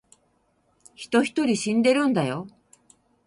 人一人死んでるんだよ